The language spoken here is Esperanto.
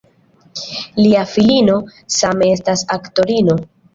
Lia filino same estas aktorino.